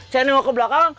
saya nengok ke belakang